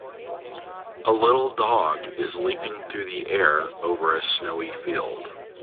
A little dog is leaping through the air over a snowy field.